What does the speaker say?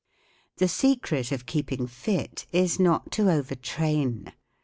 The secret of keep¬ ing fit is not to over¬ train.